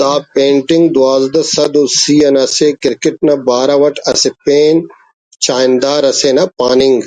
دا پینٹنگ دونزدہ سد و سِی نا سے کرکٹ نا بارو اٹ اسہ پین چاہندار اسے نا پاننگ